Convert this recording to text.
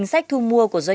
nó là rất là